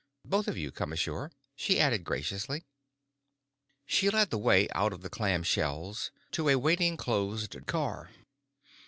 Both of you come ashore," she added graciously. She led the way out of the clamshells to a waiting closed car.